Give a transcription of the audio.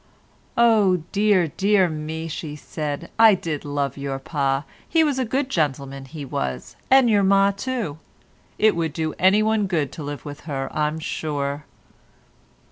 "Oh, dear, dear me," she said, "I did love your pa; he was a good gentleman, he was, and your ma too; it would do anyone good to live with her, I'm sure."